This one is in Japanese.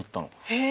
へえ！